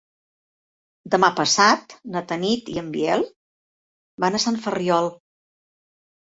Demà passat na Tanit i en Biel van a Sant Ferriol.